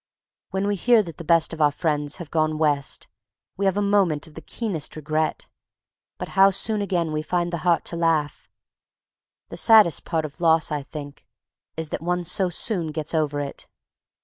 When we hear that the best of our friends have gone West, we have a moment of the keenest regret; but how soon again we find the heart to laugh! The saddest part of loss, I think, is that one so soon gets over it.